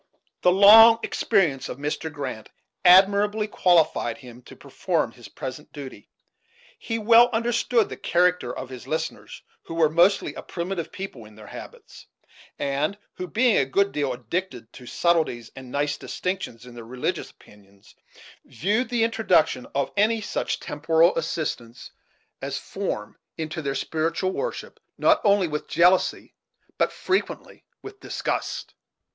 The long experience of Mr. Grant admirably qualified him to perform his present duty. He well understood the character of his listeners, who were mostly a primitive people in their habits; and who, being a good deal addicted to subtleties and nice distinctions in their religious opinions, viewed the introduction of any such temporal assistance as form into their spiritual worship not only with jealousy, but frequently with disgust.